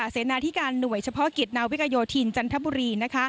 เสนาที่การหน่วยเฉพาะกิจนาวิกโยธินจันทบุรี